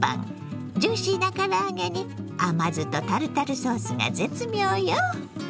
ジューシーな唐揚げに甘酢とタルタルソースが絶妙よ。